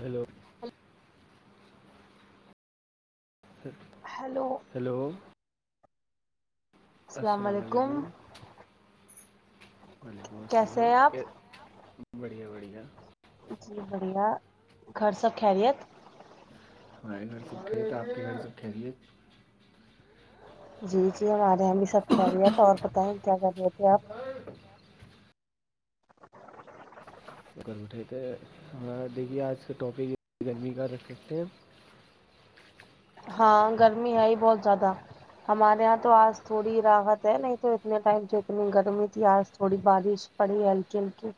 hello hello hello السلام علیکم وعلیکم کیسے السلام ہیں آپ کے بڑھیا بڑھیا جی بڑھیا گھر سب خیریت ہمارے گھر سب خیریت آپ کے گھر سب خیریت جی جی ہمارے یہ بھی سب خیریت ہے اور بتائیں کیا کر رہے تھے آپ سو کر اوٹہے تھے آ دیکھیے آج کا ٹاپک گرمی کا رکھ سکتے ہیں ہاں گرمی ہے ہی بہت زیادہ ہمارے یہاں تو آج تھوڑی راحت ہے نہیں تو اتنے ٹائم جو اتنی گرمی تھی آج تھوڑی بارش پڑی ہلکی ہلکی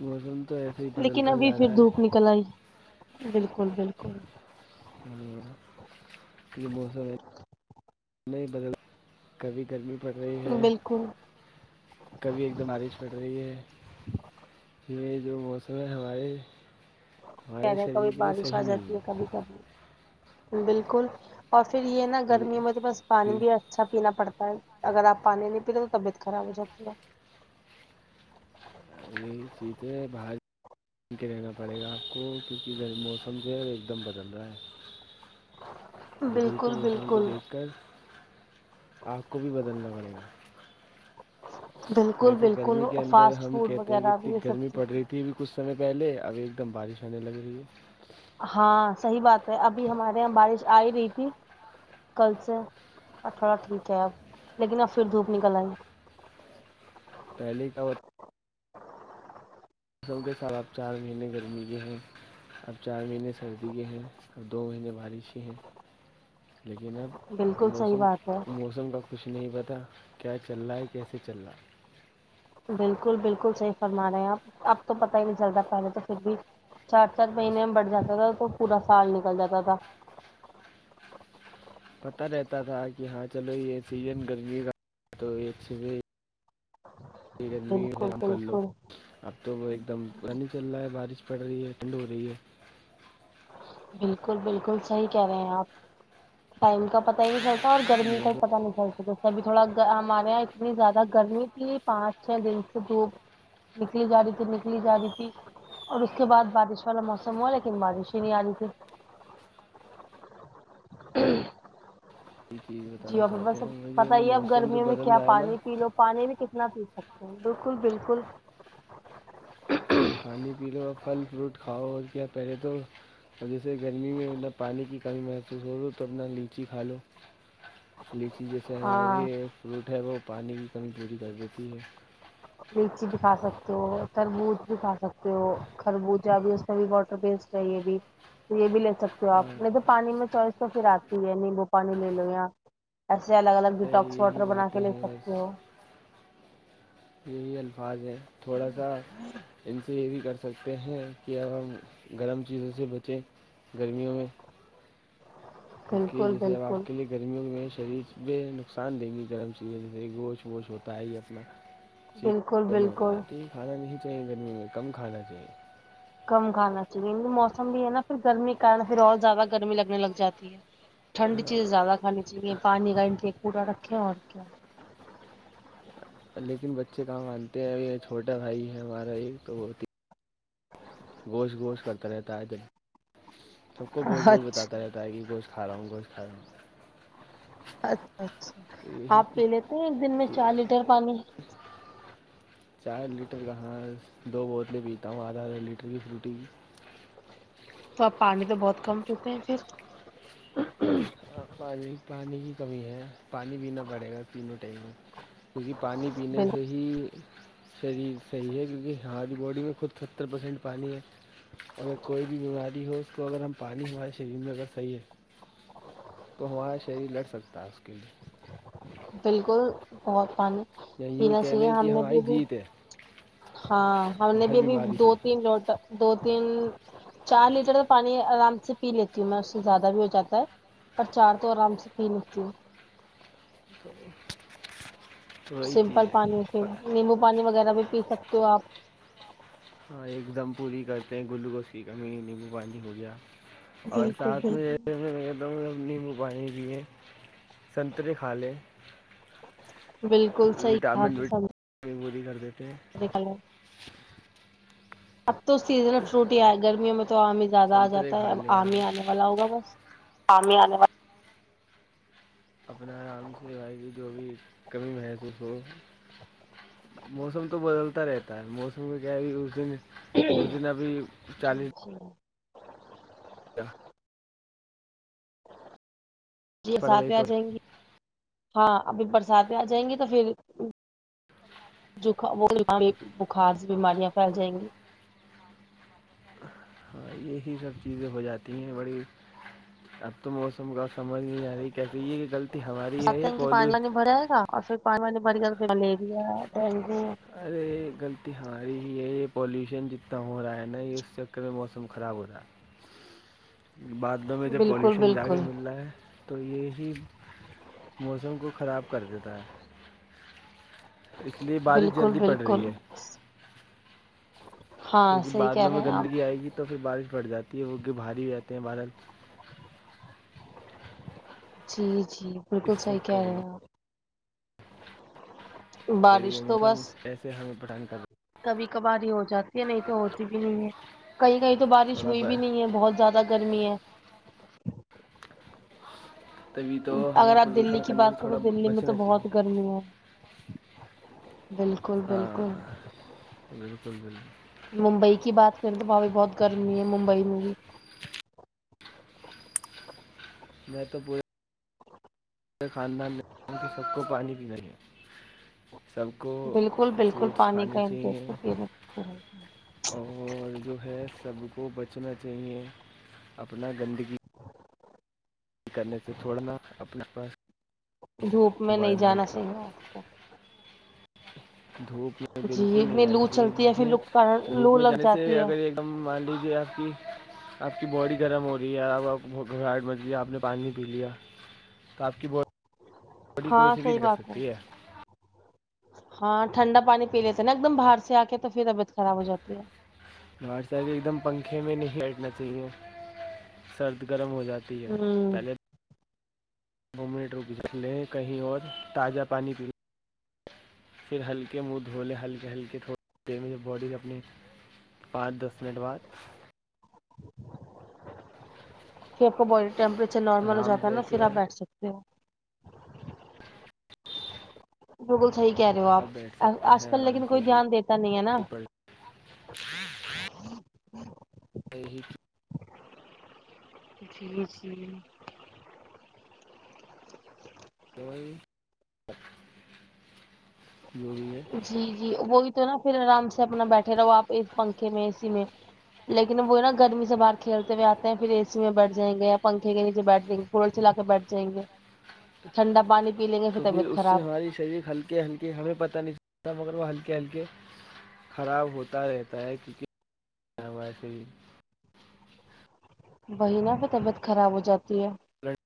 موسم تو ایسے ہی بدلتا جا رہا ہے کلائی بالکل بالکل [unintelligible] یہ موسم ہے نئے بدلا کبھی گرمی پڑ رہی ہے بالکل کبھی ایک دم بارش پڑھ رہی ہے یہ جو موسم ہے ہمارے ہمارے کہیں کبھی شریر کے لیے بارش آ صحیح نہیں جاتی ہے کبھی کبھی بالکل اور پھر یہ نا گرمیوں میں بس یہ پانی بھی اچھا پینا پڑتا ہے اگر آپ پانی نہیں پیتے تو طبیعت خراب ہو جاتی ہے یہ چیتے بھائی س کے رہنا پڑے گا آپ کو کیونکہ موسم جو ہے وہ ایک دم بدل رہا ہے بدلتے بالکل موسم کو بالکل دیکھ کر آپ کو بھی بدلنا پڑے گا بالکل جیسے بالکل گرمی کے اندر فاسٹ ہم فوڈ ا وغیرہ بھی اتنی یہ سب گرمی پڑ چیزیں رہی تھی ابھی کچھ سمے پہلے ابھی ایک دم بارش آنے لگ رہی ہے ہاں صحیح بات ہے ابھی ہمارے یہاں بارش آ ہی رہی تھی کل سے ا تھوڑا ٹھیک ہے اب لیکن اب پھر دھوپ نکل آئی [unintelligible] موسم کے خلاب چار مہینے گرمی کے ہیں اب چار مہینے سردی کے ہیں اب دو مہینے بارش ہی ہیں لیکن اب بالکل صحیح موسم بات ہے موسم کا کچھ نہیں پتا کیا چل رہا ہے کیسے چل رہا بالکل بالکل صحیح فرما رہے ہیں آپ اب تو پتا ہی نہیں چلتا پہلے تو پھر بھی چار چار مہینے میں بڑھ جاتا تھا تو پورا سال نکل جاتا تھا پتا رہتا تھا کہ ہاں چلو یہ سیزن گرمی کا تو ہی یہ صبح یہ گرمی میں بالکل آرام کرلو بالکل اب تو وہ ایک دم پانی چل رہا ہے بارش پڑ رہی ہے ٹھنڈ ہو رہی ہے بالکل بالکل صحیح کہہ رہے ہیں آپ ٹائم کا پتا ہی نہیں چلتا اور گرمی کوئی موسم پتا نہیں چلتی که ابھی تھوڑا ہمارے یہاں اتنی زیادہ گرمی تھی پانچ چھ دن سے دھوپ نکلی جا رہی تھی نکلی جا رہی تھی اور اس کے بعد بارش والا موسم ہوا لیکن بارش نہیں آ رہی تھی [unintelligible] کی چیز جی بتانا ا چاہتے بسب ہیں وہ جو ہے پتا نا ہی اب موسم جو گرمیوں میں بدل کیا رہا ہے نا پانی پی لو پانی بھی کتنا پی سکتے ہیں بالکل بالکل پانی پی لو پھل فروٹ کھاؤ اور کیا پہلے تو اور جیسے گرمی میں مطلب پانی کی کمی محسوس ہو تو اپنا لیچی کھا لو لیچی جیسے ہاں یہ فروٹ ہے وہ پانی کی کمی پوری کر دیتی ہے لیچی بھی کھا سکتے ہو تربوز بھی کھا سکتے ہو خربوزہ ہے اب بھی اس میں بھی واٹر بیسڈ ہے یہ بھی یہ بھی لے سکتے ہو آپ نہیں ہے تو پانی میں چائس تو پھر آپ کے لیے نیمبو پانی لے لویا ایسے الگ الگ دیٹاکس یہی واٹر بنا باتیں کے لے ہیں سکتے بس ہو یہی الفاظ ہیں تھوڑا سا ان سے یہ بھی کر سکتے ہیں کہ اب ہم گرم چیزوں سے بچیں گرمیوں میں کہ بالکل جیسے اب بالکل آپ کے لیے گرمیوں میں شریر بے نقصان دیں گی گرم چیزیں جیسے گوشت ووشت ہوتا ہے ہی اپنا بالکل یہ ہوتا ہے بالکل تو یہ کھانا نہیں چاہیے گرمی میں کم کھانا چاہیے کم کھانا چاہیے ان موسم بھی ہے نا پھر گرمی کا پھر اور زیادہ گرمی لگنے لگ جاتی ہے ٹھنڈی چیزیں زیادہ کھانی چاہیے پانی کا ان سے پورا رکھیں اور کیا لیکن بچے کہاں مانتے ہیں ا چھوٹا بھائی ہے ہمارا ایک تو وہتی گوشت گوشت کرتا رہتا ہے آئے دن سب کو گوشت گوشت اچھا بتاتا رہتا ہے کہ گوشت کھا رہا ہوں گوشت کھا رہا ہوں اچھا اچھا تو یہی آپ پی لیتے ہیں ایک دن میں کہ چار لیٹر پانی [inaudible] چار لیٹر کہاں دو بوتلیں پیتا ہوں آدھا آدھا لیٹر کی فروٹی کی تو آپ پانی تو بہت کم پیتے ہیں پھر ہاں پانی پانی کی کمی ہے پانی پینا پڑے گا پینوں ٹائم کیونکہ پانی پینے سے بالکل ہی شریر صحیح ہے کیونکہ ہماری باڈی میں خود ستر پرسینٹ پانی ہے اگر کوئی بھی بیماری ہو اس کو اگر ہم پانی ہمارے شریر میں اگر صحیح ہے تو ہمارا شریر لڑ سکتا ہے اس کے لیے بالکل بہت پانی یا یوں پینا کہہ چاہیے لیں ہم کہ نے بھی ہماری ابھی جیت ہے ہاں ہم نے ہر بھی ابھی بیماری دو سے تین لوٹا دو تین چار لیٹر کا پانی آرام سے پی لیتی ہوں میں اس سے زیادہ بھی ہو جاتا ہے پر چار تو آرام سے پی لیتی ہوں [inaudible] سمپل پانی پھر ہے نیمبو پانی وغیرہ بھی پی سکتے ہو آپ ہاں ایک دم پوری کرتے ہیں گلوکوز کی کمی نیمبو پانی ہو گیا اور بالکل ساتھ بالکل میں میں نے ایک دم نیمبو پانی پیئے سنتریے کھالے بالکل صحیح کہا وٹامن و پی گولی کر دیتے ہیں ہیلو اب تو سیزن میں فروٹ ہی آئے گرمیوں میں تو آم ہی زیادہ آ سنترے جاتا ہے کھا اب آم ہی آنے والا ہوگا بس آم ہی انے و اپنا آرام سے بھائی کی جو بھی کمی محسوس ہو موسم تو بدلتا رہتا ہے موسم کا کیا ہے بھی اس دن تو اس جی دن ابھی چالیس [unintelligible] جی پڑ برسات گئی آ تو جائیں گی ہاں ابھی برساتیں آ جائیں گی تو پھر جو کھاؤ وہ بخار بیماریاں پھیل جائیں گی ہاں یہی سب چیزیں ہو جاتی ہیں بڑی اب تو موسم کا سمجھ نہیں آ رہی ہے کیسے یہ کہ غلطی ہماری ہے یہ پلیو بھرائے گا اور پھر پانی پانی بھر گیا تو ملیریا ڈینگو ارے غلطی ہماری ہی ہے یہ پالیوشن جتنا ہو رہا ہے نا یہ اس چکر میں موسم خراب ہو رہا ہے بعادلوں میں تو بالکل پالوشن جا کے بالکل مل رہا ہے تو یہی موسم کو خراب کر دیتا ہے اس لیے بارش بالکل جلدی پڑ رہی بالکل ہے ہاں کیونکہ صحیح کہہ بادلوں رہے میں ہیں گندگی آپ آئے گی تو پھر بارش پڑ جاتی ہے وہ کہ بھاری بھی رہتے ہیں بادل جی جی بالکل اس صحیح چکر کہہ رہے میں ہیں آپ تو بارش یہ موسم بس کیسے ہمیں پٹھان کر د کبھی کبھاری ہو جاتی ہے نہیں تو ہوتی بھی نہیں ہے کہیں کہیں تو بارش تھوڑا ہوئی ب- بھی نہیں ہے بہت زیادہ گرمی ہے تبھی تو ہمیں اگر آپ دللی پولوشن کی کرنے بات سے کرو تھوڑا ب- دلی میں تو بچنا چاہیے بہت گرمی ہے بالکل بالکل ہاں بالکل بالکل ممبئی کی بات کریں تو وہاں بھی بہت گرمی ہے ممبئی میں بھی میں تو پورے مے خاندان میں کہ سب کو پانی پ گئی ہے سب کو بالکل بالکل فروٹس پانی کھانے کا انٹیک چاہیے تو پینے اور جو ہے سب کو بچنا چاہیے اپنا گندگی کرنے سے تھوڑا نا دھوپ میں نہیں جانا وائمٹ کا چاہیے آپ کو دھوپ میں جی بالکل نہیں اتنی جانا لو چاہیے چلتی ہے پھر میں لو دھوپ لو میں لگ جانے سے جاتی ہے اگر ایک دم مان لیجیے آپ کی آپ کی باڈی گرم ہو رہی ہے آپ آپ گ آپ نے پانی پی لیا کاف کی بہ ہاں صحیح بات ہے ہاں ٹھنڈا پانی پی لیتے نا ایک دم باہر سے آ کے تو پھر طبیعت خراب ہو جاتی ہے اورار سر بھی ایک دم پنکھے میں نہیں ہٹنا چاہیے سرد گرم ہو جاتا ہے ہوں پہلے دو منٹ رک لیں کہیں اور تازہ پانی پی لیں پھر ہلکے منہ دھولے ہلکے ہلکے تھوڑی دیر میں جب بوڈی اپنی پانچ دس منٹ بعد پھر آپ کا باڈی ٹیمپریچر نارمل ہو آرام جاتا ہے نا پھر جیسے آپ بیٹھ سکتے ہو بالکل صحیح کہہ رہے ہو آپ بیٹھ سکتے آج ہیں کل آرام لیکن سے کوئی دھیان دیتا نہیں ہے نا یہی کہ جی جی تو جو بھی ہے جی جی وہی تو نا پھر آرام سے اپنا بیٹھے رہو آپ اس پنکھے میں اے سی میں لیکن وہ ہے نا گرمی سے باہر کھیلتے ہوئے آتے ہیں پھر اے سی میں بیٹھ جائیں گے یا پنکھے کے نیچے بیٹھ جائیں گے کولر چلا کے بیٹھ جائیں گے ٹھنڈا پانی پی لیں گے تو پھر طبیعت اس سے خراب ہماری شریر ہلکے ہلکے ہمیں پتا نہیں چلتا مگر وہ ہلکے ہلکے خراب ہوتا رہتا ہے ک [unintelligible] ک ویسے ہی وہی نا پھر طبیعت خراب ہو جاتی ہے بلڈ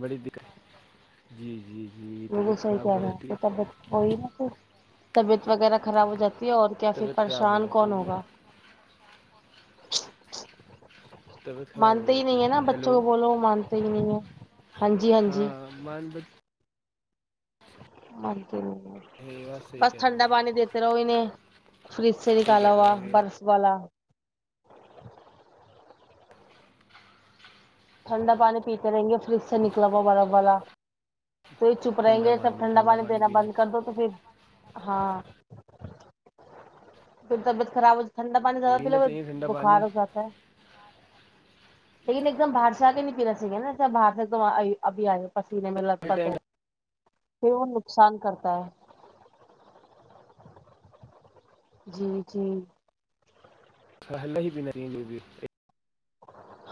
بڑی دقت جی جی جی یہ بالکل طبیعت صحیح خراب کہہ ہو رہے ہیں جاتی ہے پھر طبیعت وہی نہ پھر طبیعت وغیرہ خراب ہو جاتی ہے اور کیا پھر طبیعت خراب ہو پریشان جاتی کون ہے جی ہوگا [inaudible] [inaudible] طبیعت خراب ہو مانتے ہی جاتی ہے نہیں نا ہیلو بچوں کو بولو وہ مانتے ہی نہیں ہے ہاں جی جی ہاں مان بت مان تے نہیں ہو اور ہے یہ بات صحیح بس کہہ رہے ہو ٹھنڈا آپ پانی دیتے رہو انہیں فریج سے صحیح نکالا کہہ رہے ہوا ہو آپ یہ بات برف والا ٹھنڈا پانی پیتے رہیں گے فریج سے نکلا ہوا برف والا تو یہ چپ رہیں گے سب ٹھنڈا پانی دینا بند کر دو تو پھر ہاں پھر طبیعت خراب ہو ٹھنڈا پانی چاہیے زیادہ پیلو پینا تو چاہیے ٹھنڈا پانی بخار ہو جاتا ہے لیکن ایک ایک دم باہر سے آ کے نہیں پینا چاہیے نہ ایسے باہر سے ابھی آئ پسینے میں لت ہر پت ٹائم ہو تو ہم نقصان کرتا ہے جی جی س نا ہی نہیں بھی [unintelligible]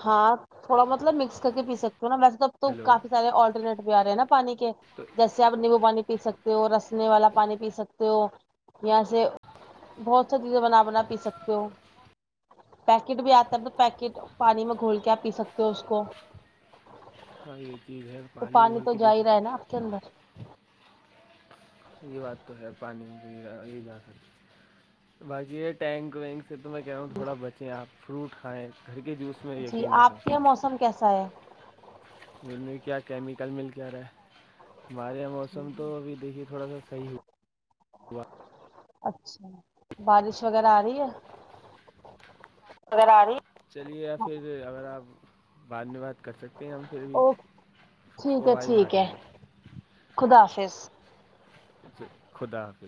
ہاں تھوڑا مطلب مکس کر کے پی سکتی ہو نا ویسے تو تو ہیلو کافی سارے آلٹرنیٹ بھی آ رہے ہیں نا پانی کے جیسے چاہے نیمبو پانی پی سکتے ہو رسنے والا پانی پی سکتے ہو یہاں سے بہت سی چیزیں بنا بنا پی سکتے ہو پیکٹ بھی آتا ہے تو پیکٹ پانی میں گھول کے آپ پی سکتے ہو اس کو ہاں یہ چیز ہے پانی میں گھول کے پی کرنا یہ بات تو ہے پانی کی یہ جا ستی باقی یہ ٹینگ ونگ پھر تو میں کہہ رہا ہوں تھوڑا بچیں آپ فروٹ کھائیں گھر کے جوس میں یقین رکھیں سم کیسا ہے ان میں کیا کیمیکل مل کے آ رہا ہے ہمارے یہاں موسم تو ابھی دیکھیے تھوڑا سا صحیح ہو اچھا بارش وغیرہ آ رہی ہے آرہی ہے چلیے یا پھر اگر آپ بعد میں بات کر سکتے ہیں ہم پھر بھی او ٹھیک ہے فبائی ٹھیک ماریں ہے گے خدا حافظ خدا حافظ